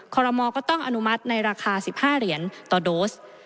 ขอรมอลก็ต้องอนุมัติในราคา๑๕เหรียญต่อโดส